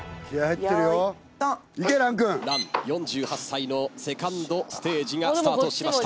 乱４８歳の２ｎｄステージがスタートしました。